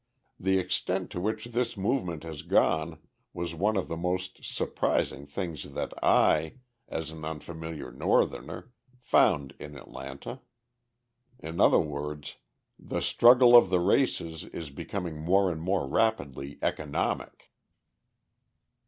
The extent to which this movement has gone was one of the most surprising things that I, as an unfamiliar Northerner, found in Atlanta. In other words, the struggle of the races is becoming more and more rapidly economic.